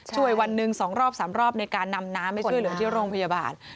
วันหนึ่ง๒รอบ๓รอบในการนำน้ำไปช่วยเหลือที่โรงพยาบาล